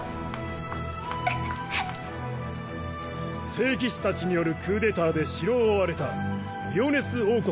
聖騎士たちによるクーデターで城を追われたリオネス王国